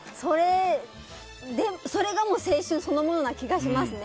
それがもう青春そのものな気がしますね。